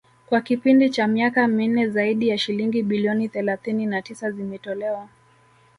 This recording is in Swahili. kwa kipindi cha miaka minne zaidi ya shilingi bilioni thelathini na tisa zimetolewa